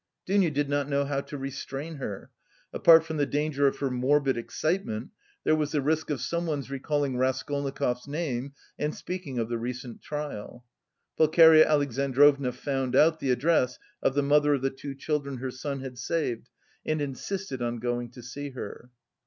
Dounia did not know how to restrain her. Apart from the danger of her morbid excitement, there was the risk of someone's recalling Raskolnikov's name and speaking of the recent trial. Pulcheria Alexandrovna found out the address of the mother of the two children her son had saved and insisted on going to see her.